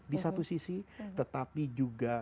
di satu sisi tetapi juga